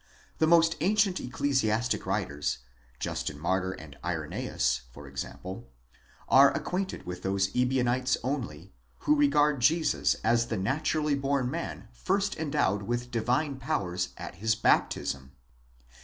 The most ancient ecclesiastic writers, Justin Martyr and Irenzeus for example, are acquainted with those Ebionites only, who regarded Jesus as a naturally born man first endowed with divine powers at his baptism.